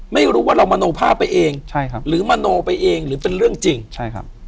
ไม่รู้ว่าเรามโนภาพไปเองใช่ครับหรือมโนไปเองหรือเป็นเรื่องจริงใช่ครับ